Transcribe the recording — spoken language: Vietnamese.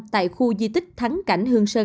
tại khu di tích thắng cảnh hương sơn